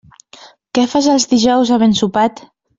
Què fas els dijous havent sopat?